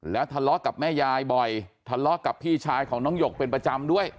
แล้วทะเลาะกับแม่ยายบ่อยทะเลาะกับพี่ชายของน้องหยกเป็นประจำด้วย